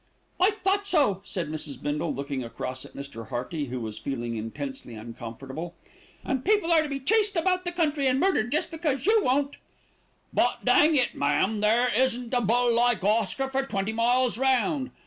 "I thought so," said Mrs. Bindle, looking across at Mr. Hearty, who was feeling intensely uncomfortable, "and people are to be chased about the country and murdered just because you won't " "But dang it, ma'am! there isn't a bull like Oscar for twenty miles round.